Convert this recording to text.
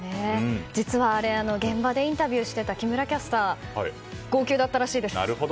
実は現場でインタビューしていた木村キャスター号泣だったらしいです。